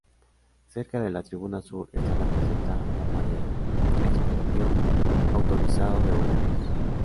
Cerca de la tribuna sur está la "Caseta la María" expendio autorizado de boletas.